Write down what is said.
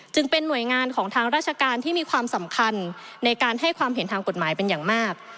หน่วยงานของทางราชการที่มีความสำคัญในการให้ความเห็นทางกฎหมายเป็นอย่างมาก